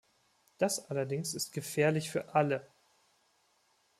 Das allerdings ist gefährlich für alle.